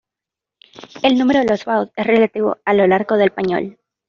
El número de los baos es relativo a lo largo del pañol.